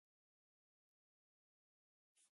برېښنایي امواج بې سیمه خپرېږي.